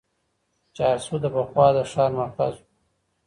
چارسو د پخوا د ښار مرکز و.